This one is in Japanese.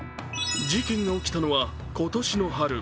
事件が起きたのは今年の春。